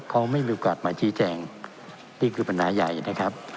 เขาไม่มีโอกาสมาชี้แจงนี่คือปัญหาใหญ่นะครับ